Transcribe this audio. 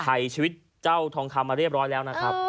ถ่ายชีวิตเจ้าทองคำมาเรียบร้อยแล้วนะครับ